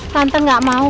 tante gak mau